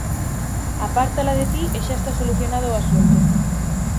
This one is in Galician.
Apártala de ti e xa está solucionado o asunto.